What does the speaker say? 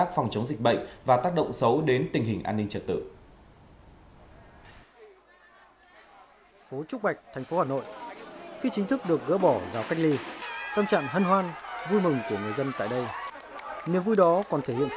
có công nó không tốt